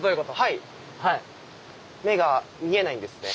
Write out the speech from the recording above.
目が見えないんですね。